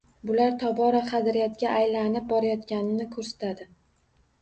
Bular tobora qadriyatga aylanib borayotganini koʻrsatadi